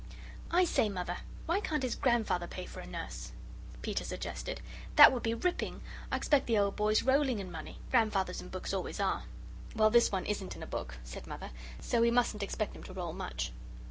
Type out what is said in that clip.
"I say, Mother, why can't his grandfather pay for a nurse?" Peter suggested. "That would be ripping. I expect the old boy's rolling in money. Grandfathers in books always are." "Well, this one isn't in a book," said Mother, "so we mustn't expect him to roll much."